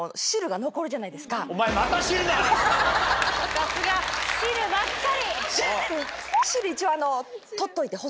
さすが！汁ばっかり。